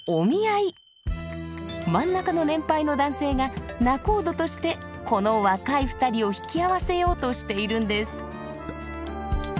真ん中の年配の男性が「仲人」としてこの若い２人を引き合わせようとしているんです。